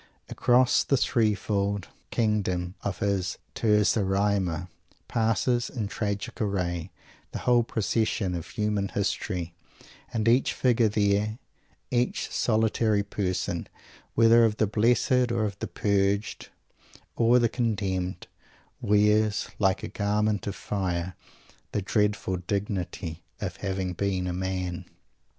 Across the three fold kingdom of his "Terza Rima" passes, in tragic array, the whole procession of human history and each figure there, each solitary person, whether of the Blessed or the Purged, or the Condemned, wears, like a garment of fire, the dreadful dignity of having been a man!